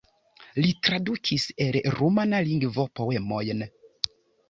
Li tradukis el rumana lingvo poemojn.